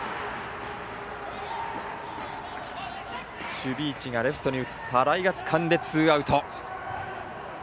守備位置がレフトに移った新井がつかんでツーアウト。